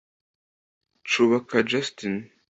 Cubaka Justin